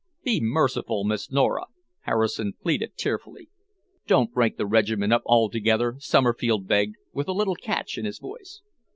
"Be merciful, Miss Nora!" Harrison pleaded tearfully. "Don't break the regiment up altogether," Somerfield begged, with a little catch in his voice.